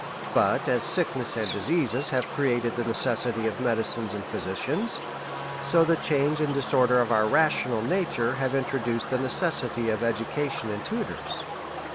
But as sick ness and diseases have created the necessity of medi cines and physicians, so the change and disorder of our rational nature has introduced the necessity of education and tutors.